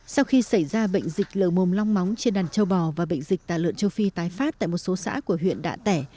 sau khi xảy ra bệnh dịch lờ mồm long móng trên đàn châu bò và bệnh dịch tả lợn châu phi tái phát tại một số xã của huyện đạ tẻ